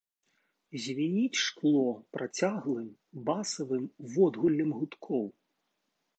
Звініць шкло працяглым басавым водгуллем гудкоў.